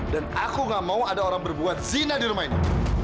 dan aku gak mau ada orang berbuat zina di rumah ini